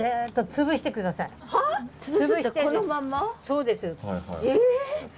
そうです。え？